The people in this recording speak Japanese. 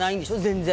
全然。